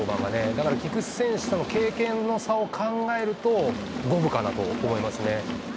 だからね、菊池選手との経験の差を考えると、五分かなと思いますね。